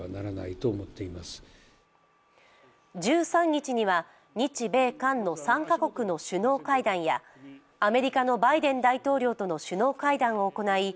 １３日には日米韓の３か国の首脳会談やアメリカのバイデン大統領との首脳会談を行い